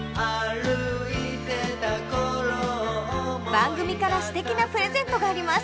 番組から素敵なプレゼントがあります